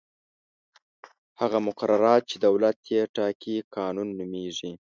هغه مقررات چې دولت یې ټاکي قانون نومیږي.